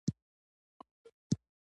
پښتون یو زړور قوم دی.